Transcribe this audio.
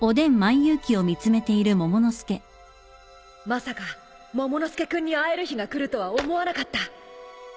まさかモモの助君に会える日が来るとは思わなかった